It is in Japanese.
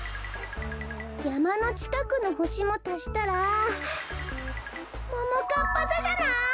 やまのちかくのほしもたしたらももかっぱざじゃない？